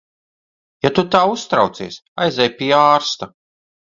Ja tu tā uztraucies, aizej pie ārsta.